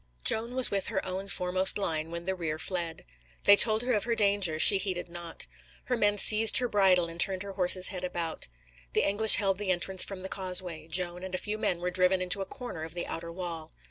Joan was with her own foremost line when the rear fled. They told her of her danger; she heeded not. Her men seized her bridle and turned her horse's head about. The English held the entrance from the causeway; Joan and a few men were driven into a corner of the outer wall.